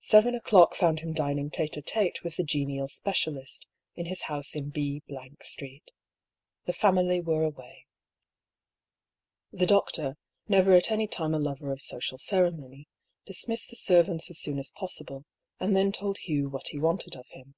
Seven o'clock found him dining tSte d tSie with the genial specialist, in his house in B Street. The family were away. 58 DR. PAULL'S THEORY. The doctor, never at any time a lover of social cere mony, dismissed the servants as soon as possible, and then told Hugh what he wanted of him.